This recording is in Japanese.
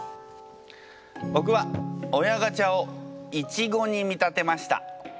ぼくは「親ガチャ」をいちごに見立てました。